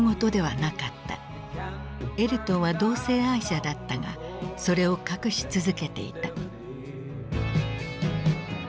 エルトンは同性愛者だったがそれを隠し続けていた。